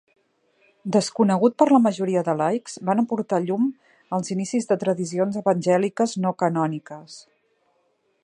Desconegut per la majoria de laics, van aportar llum als inicis de tradicions evangèliques no canòniques.